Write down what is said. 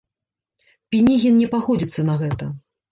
Пінігін не пагодзіцца на гэта.